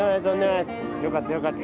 よかったよかった。